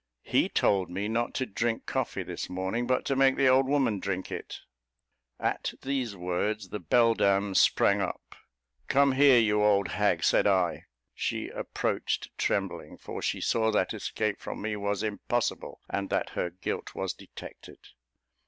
"He told me not to drink coffee this morning, but to make the old woman drink it." At these words the beldam sprang up. "Come here, you old hag," said I. She approached trembling, for she saw that escape from me was impossible, and that her guilt was detected.